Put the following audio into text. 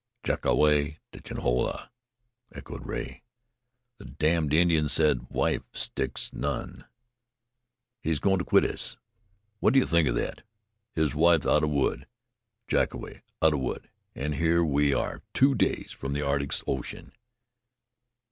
"Jackoway ditchen hula," echoed Rea. "The damned Indian says 'wife sticks none.' He's goin' to quit us. What do you think of thet? His wife's out of wood. Jackoway out of wood, an' here we are two days from the Arctic Ocean.